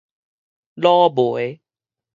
老梅